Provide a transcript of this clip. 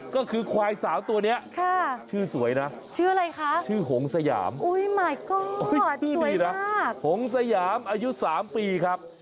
ก็คือควายสาวตัวนี้ชื่อสวยนะชื่อโหงสยามนะค่ะค่ะชื่ออะไรคะ